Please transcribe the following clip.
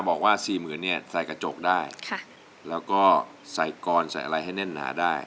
บอกว่าสี่หมื่นเนี่ยใส่กระจกได้แล้วก็ใส่กรใส่อะไรให้แน่นหนาได้